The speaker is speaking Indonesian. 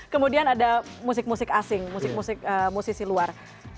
kemudian ada musik musik asing musik musik musisi luar